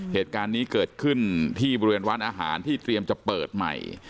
เหตุการณ์นี้เกิดขึ้นที่บริเวณร้านอาหารที่เตรียมจะเปิดใหม่